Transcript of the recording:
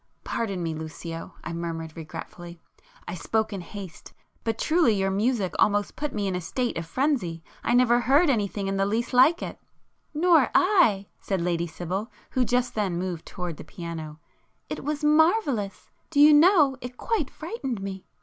"Pardon me, Lucio!" I murmured regretfully—"I spoke in haste; but truly your music almost put me in a state of frenzy,—I never heard anything in the least like it——" "Nor I,"—said Lady Sibyl, who just then moved towards the piano—"It was marvellous! Do you know, it quite frightened me?"